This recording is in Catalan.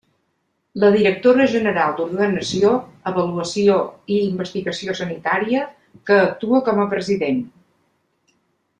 La directora general d'Ordenació, Avaluació i Investigació Sanitària, que actua com a president.